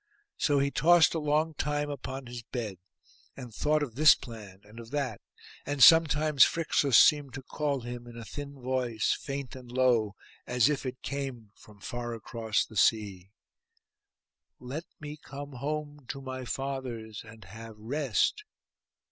So he tossed a long time upon his bed, and thought of this plan and of that; and sometimes Phrixus seemed to call him, in a thin voice, faint and low, as if it came from far across the sea, 'Let me come home to my fathers and have rest.